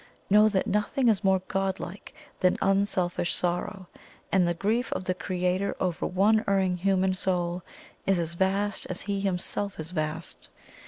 Know that nothing is more godlike than unselfish sorrow and the grief of the Creator over one erring human soul is as vast as He Himself is vast.